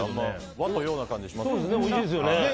和と洋な感じがしますね。